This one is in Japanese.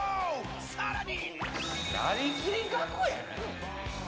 さらに。